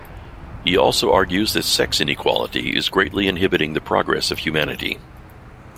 He also argues that sex inequality is greatly inhibiting the progress of humanity.